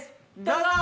どうぞ！